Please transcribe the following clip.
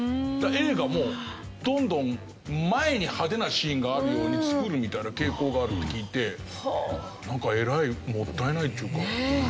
映画もどんどん前に派手なシーンがあるように作るみたいな傾向があるって聞いてなんかえらいもったいないっていうか。